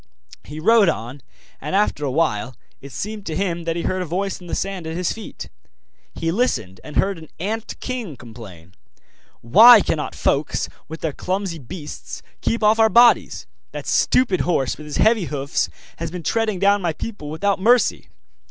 He rode on, and after a while it seemed to him that he heard a voice in the sand at his feet. He listened, and heard an ant king complain: 'Why cannot folks, with their clumsy beasts, keep off our bodies? That stupid horse, with his heavy hoofs, has been treading down my people without mercy!